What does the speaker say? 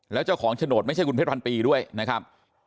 แล้วเจ้าของโฉนดไม่ใช่คุณเพชรพันปีด้วยนะครับ